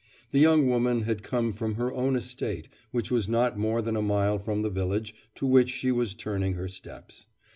The young woman had come from her own estate, which was not more than a mile from the village to which she was turning her steps.